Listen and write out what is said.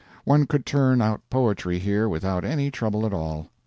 One could turn out poetry here without any trouble at all.